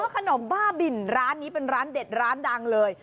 ขนมบ้าบินร้านนี้เป็นร้านเด็ดร้านดังเลย